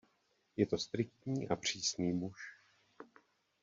Je to striktní a přísný muž.